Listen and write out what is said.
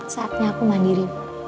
saatnya aku mandiri